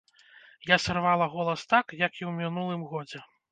Я сарвала голас так, як і ў мінулым годзе.